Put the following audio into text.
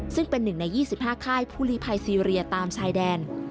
ซึ่งเป็นหนึ่งใน๒๕ค่ายภูลีภัยซีเรียตามมา